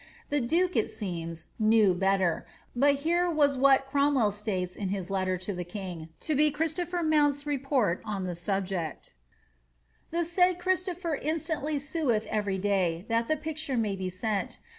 The duke, it seems, knew better, but here is what Crom well states in his letter to the king, to be Christopher Mount's report oa the subject :—^^ The said Christopher instantly sueth every day, that the pictaie may be sent.